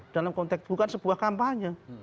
dalam konteks bukan sebuah kampanye